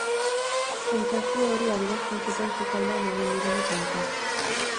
Sentsazio hori adierazten zuten sukaldean egon direnek behintzat.